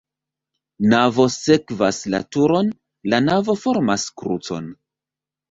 Navo sekvas la turon, la navo formas krucon.